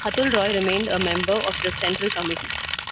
Atul Roy remained a member of the central committee.